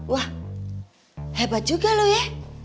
wah hebat juga loh ya